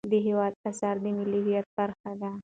د هېواد اثار د ملي هویت برخه ده.